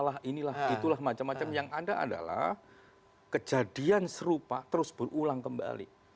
nah inilah itulah macam macam yang ada adalah kejadian serupa terus berulang kembali